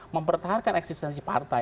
mempertahankan eksistensi partai